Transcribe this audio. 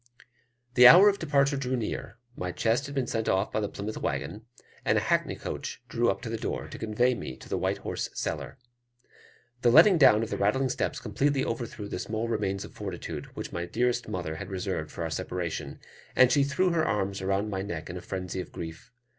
The hour of departure drew near; my chest had been sent off by the Plymouth waggon, and a hackney coach drew up to the door, to convey me to the White Horse Cellar. The letting down of the rattling steps completely overthrew the small remains of fortitude which my dearest mother had reserved for our separation, and she threw her arms around my neck in a frenzy of grief.